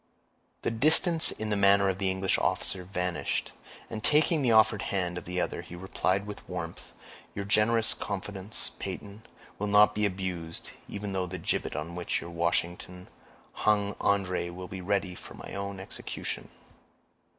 The distance in the manner of the English officer vanished, and taking the offered hand of the other, he replied with warmth, "Your generous confidence, Peyton, will not be abused, even though the gibbet on which your Washington hung André be ready for my own execution."